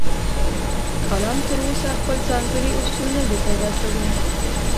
کالم تراوسه خپل ځانګړي اصول نه دي پیدا کړي.